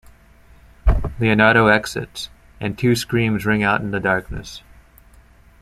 Leonardo exits, and two screams ring out in the darkness.